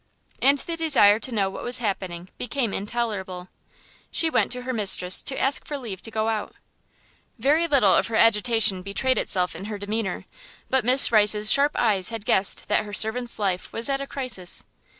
And the desire to know what was happening became intolerable. She went to her mistress to ask for leave to go out. Very little of her agitation betrayed itself in her demeanour, but Miss Rice's sharp eyes had guessed that her servant's life was at a crisis.